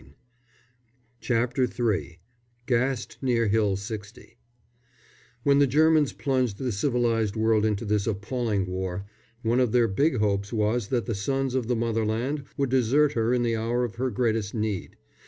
] CHAPTER III GASSED NEAR HILL 60 [When the Germans plunged the civilised world into this appalling war, one of their big hopes was that the sons of the Motherland would desert her in the hour of her greatest need.